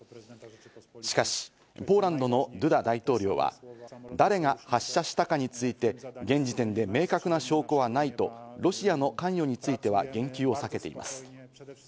しかしポーランドのドゥダ大統領は誰が発射したかについて、現時点で明確な証拠はないとロシアの関与については言及を避けています。